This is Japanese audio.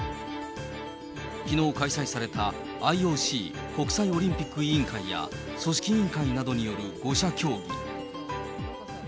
きのう開催された、ＩＯＣ・国際オリンピック委員会や、組織委員会などによる５者協議。